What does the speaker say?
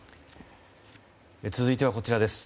続いては、こちらです。